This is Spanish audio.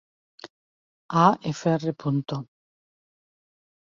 A fr.